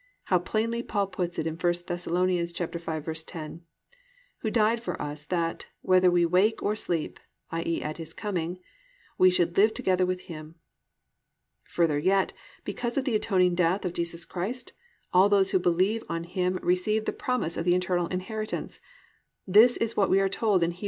_ How plainly Paul puts it in 1 Thess. 5:10, +"Who died for us, that, whether we wake or sleep,+ (i.e., at His coming), +we should live together with Him."+ 7. Further yet, _because of the atoning death of Jesus Christ, all those who believe on Him receive the promise of the eternal inheritance_. This is what we are told in Heb.